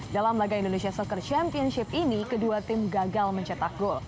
dalam laga indonesia soccer championship ini kedua tim gagal mencetak gol